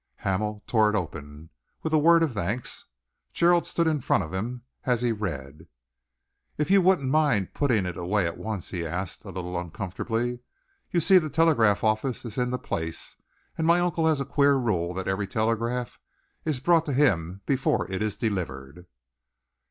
Hamel tore it open, with a word of thanks. Gerald stood in front of him as he read. "If you wouldn't mind putting it away at once," he asked, a little uncomfortably. "You see, the telegraph office is in the place, and my uncle has a queer rule that every telegram is brought to him before it is delivered."